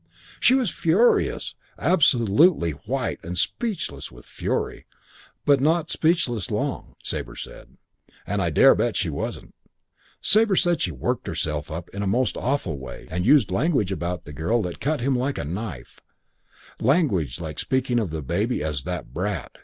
She was furious. Absolutely white and speechless with fury; but not speechless long, Sabre said, and I dare bet she wasn't. Sabre said she worked herself up in the most awful way and used language about the girl that cut him like a knife language like speaking of the baby as 'that brat.'